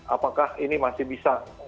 apakah ini masih bisa